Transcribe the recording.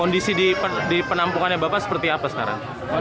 di penampungan yang bapak seperti apa sekarang